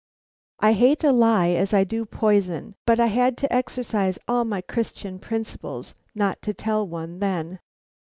I hate a lie as I do poison, but I had to exercise all my Christian principles not to tell one then.